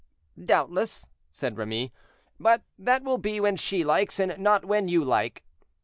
"Doubtless," said Remy; "but that will be when she likes, and not when you like."